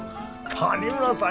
谷村さん